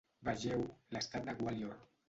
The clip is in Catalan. "Vegeu: l'estat de Gwalior"